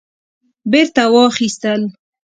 بیرته واخیستل